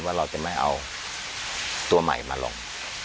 ว่าเราจะไม่เอาตัวใหม่มาลง